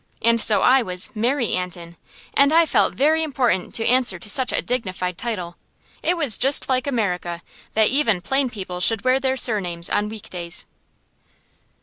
And so I was "Mary Antin," and I felt very important to answer to such a dignified title. It was just like America that even plain people should wear their surnames on week days.